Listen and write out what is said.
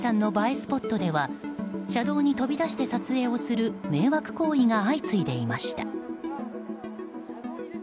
スポットでは車道に飛び出して撮影をする迷惑行為が相次いでいました。